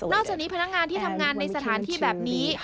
จากนี้พนักงานที่ทำงานในสถานที่แบบนี้